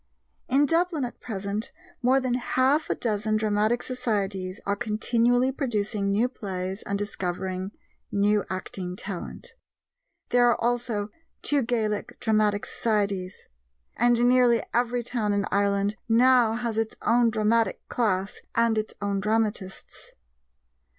In Dublin at present more than half a dozen dramatic societies are continually producing new plays and discovering new acting talent. There are also two Gaelic dramatic societies. And nearly every town in Ireland now has its own dramatic class and its own dramatists.